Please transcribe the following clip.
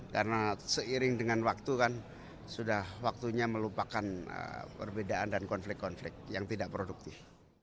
karena seiring dengan waktu kan sudah waktunya melupakan perbedaan dan konflik konflik yang tidak produktif